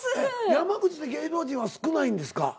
山口って芸能人は少ないんですか？